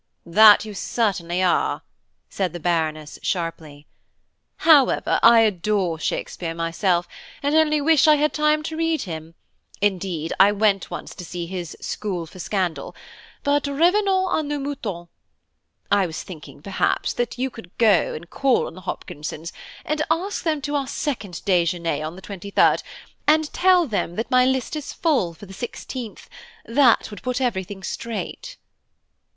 "That you certainly are," said the Baroness sharply. "However, I adore Shakespeare myself, and only wish I had time to read him. Indeed, I went once to see his School for Scandal; but revenons à nos moutons; I was thinking that you, perhaps, could go and call on the Hopkinsons and ask them to our second déjeuner on the 23rd, and tell them that my list is full for the 16th; that would put everything straight."